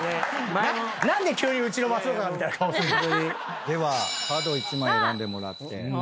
何で急に「うちの松岡が」みたいな顔すんの？ではカードを１枚選んでもらって。